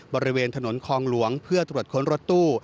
บริเวณถนนคลองหลวงเพื่อตรวจค้นรถตู้